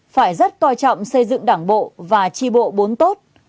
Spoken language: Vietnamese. phải rất coi trọng xây dựng đảng bộ và tri bộ bốn tốt